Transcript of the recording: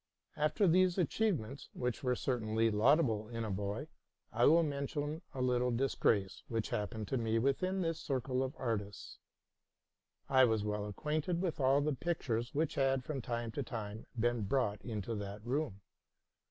After these achievements, which were certainly laudable in a boy, I will mention a little disgrace which happened to me within this circle of artists. J was well acquainted with all the pictures which had from time to time been brought into that room.